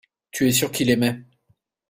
tu es sûr qu'il aimait.